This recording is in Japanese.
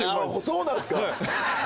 そうなんすか。